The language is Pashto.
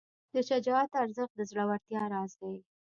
د شجاعت ارزښت د زړورتیا راز دی.